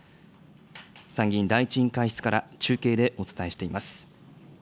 参議院第１委員会室から中継でお伝えしています。